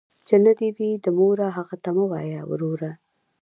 ـ چې نه دې وي، د موره هغه ته مه وايه وروره.